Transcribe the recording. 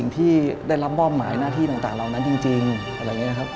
เพราะว่าเขาเอาจริง